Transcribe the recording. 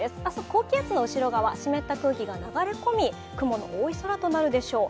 高気圧の後ろ側、湿った空気が流れ込み雲の多い空となるでしょう。